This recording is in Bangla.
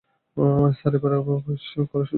স্যার, এভাবে উপবাস করা শরীরের জন্য ভালো না।